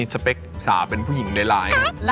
เขาเป็นคนแบบว่า